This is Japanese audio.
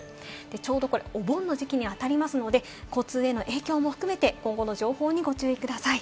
ちょうどこれ、お盆の時期に当たりますので、交通への影響も含めて今後の情報にご注意ください。